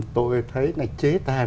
tôi thấy là chế tài